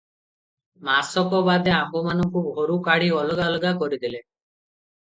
ମାସକ ବାଦେ ଆମ୍ଭମାନଙ୍କୁ ଘରୁ କାଢି ଅଲଗା ଅଲଗା କରିଦେଲେ ।